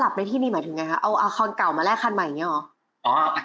ในที่นี่หมายถึงไงคะเอาคันเก่ามาแลกคันใหม่อย่างนี้หรอ